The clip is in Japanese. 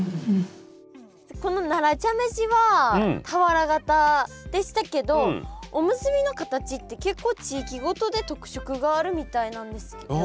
この奈良茶飯は俵型でしたけどおむすびの形って結構地域ごとで特色があるみたいなんですよね。